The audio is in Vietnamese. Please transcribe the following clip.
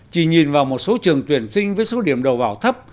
chỉ nhìn vào một số trường tuyển sinh với số điểm đầu vào thấp